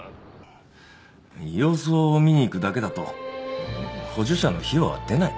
様子を見に行くだけだと補助者の費用は出ない。